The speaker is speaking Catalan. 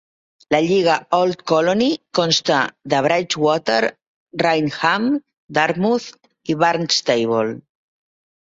La Lliga Old Colony consta de Bridgewater-Raynham, Dartmouth, i Barnstable.